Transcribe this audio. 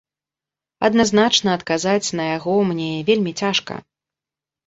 Адназначна адказаць на яго мне вельмі цяжка.